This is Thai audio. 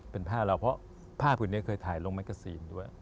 เป็นภาพเราเพราะภาพคือนี้เคยถ่ายลงแม็กซีนด้วย